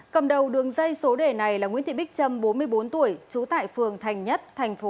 cầm đầu đường dây số đề này là nguyễn thị bích trâm bốn mươi bốn tuổi trú tại phường thành nhất tp